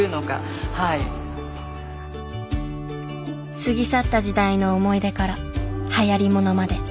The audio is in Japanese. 過ぎ去った時代の思い出からはやり物まで。